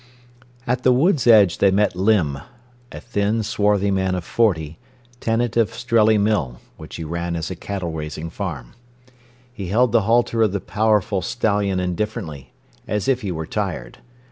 At the wood's edge they met Limb, a thin, swarthy man of forty, tenant of Strelley Mill, which he ran as a cattle raising farm. He held the halter of the powerful stallion indifferently, as if he were tired.